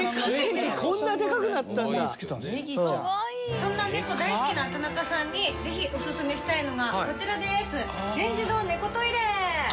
そんなネコ大好きな田中さんにぜひオススメしたいのがこちらです。